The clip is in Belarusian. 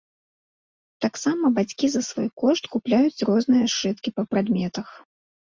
Таксама бацькі за свой кошт купляюць розныя сшыткі па прадметах.